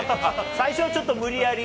最初はちょっと無理やり。